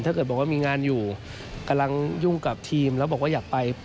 ถ้าเกิดบอกว่ามีงานอยู่กำลังยุ่งกับทีมแล้วบอกว่าอยากไป